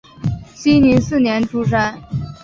熙宁四年出生。